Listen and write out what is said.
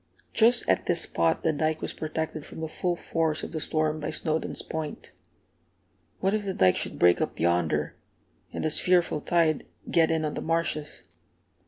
Just at this spot the dike was protected from the full force of the storm by Snowdons' Point. "What if the dike should break up yonder, and this fearful tide get in on the marshes?"